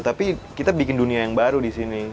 tapi kita bikin dunia yang baru disini